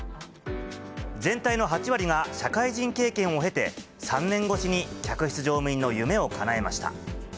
全体の８割が社会人経験を経て、３年越しに客室乗務員の夢をかなえました。